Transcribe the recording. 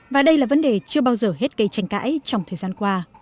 và đây là vấn đề chưa bao giờ hết gây tranh cãi trong thời gian qua